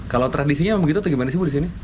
kalau tradisinya begitu atau gimana sih bu di sini